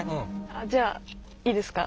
あっじゃあいいですか？